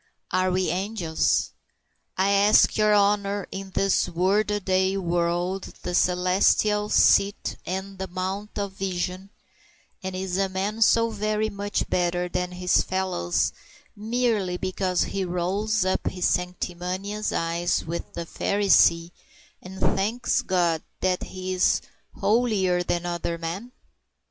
Are we angels? I ask your honor is this work a day world the celestial seat and the Mount of Vision, and is a man so very much better than his fellows merely because he rolls up his sanctimonious eyes with the Pharisee and thanks God that he is holier than other men?